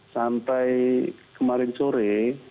sampai kemarin sore